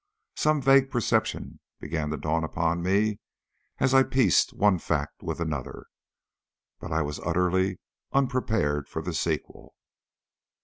Some vague perception began to dawn upon me as I pieced one fact with another, but I was utterly unprepared for the sequel.